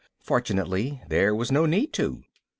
Fortunately there was no need to.